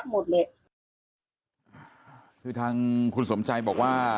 เขาก็ยอมรับหมดเลยคือทางคุณสมใจบอกว่า